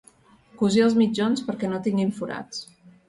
Cosir els mitjons perquè no tinguin forats.